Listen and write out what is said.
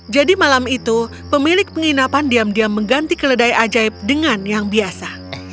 jadi malam itu pemilik penginapan diam diam mengganti keledai ajaib dengan yang biasa